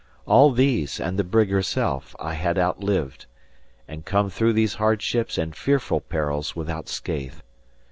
All these, and the brig herself, I had outlived; and come through these hardships and fearful perils without scath.